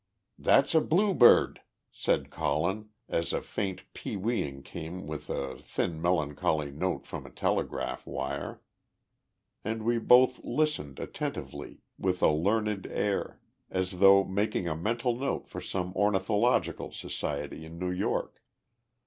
"That's a bluebird," said Colin, as a faint pee weeing came with a thin melancholy note from a telegraph wire. And we both listened attentively, with a learned air, as though making a mental note for some ornithological society in New York.